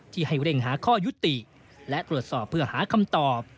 ให้เร่งหาข้อยุติและตรวจสอบเพื่อหาคำตอบ